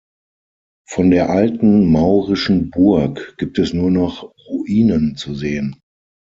Von der alten maurischen Burg gibt es nur noch Ruinen zu sehen.